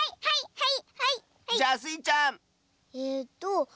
はい。